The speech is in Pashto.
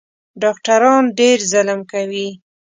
ډاکټران ډېر ظلم کوي